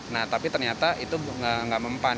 nah tapi ternyata itu nggak mempan